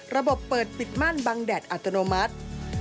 ระบบเปิดปิดมั่นบังแดดอัตโนมัติ